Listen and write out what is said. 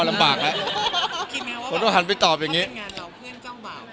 อืมน่าจะรู้ก่อนที่จะมีคอมเมนท์ด้วยซ้ำ